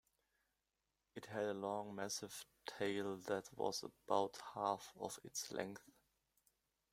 It had a long, massive tail that was about half of its length.